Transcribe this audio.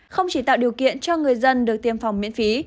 không chỉ tạo điều kiện cho người dân được tiêm phòng miễn phí